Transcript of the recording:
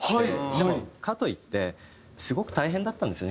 でもかといってすごく大変だったんですよね